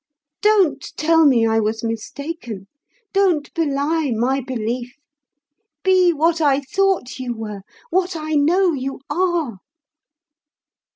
Don't tell me I was mistaken; don't belie my belief. Be what I thought you were, what I know you are.